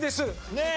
ねえ。